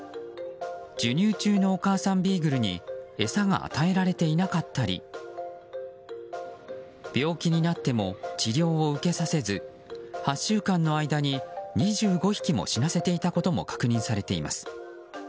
授乳中のお母さんビーグルに餌が与えられていなかったり病気になっても治療を受けさせず８週間の間に２５匹も死なせていたことも確認されています。